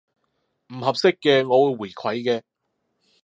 唔合適嘅，我會回饋嘅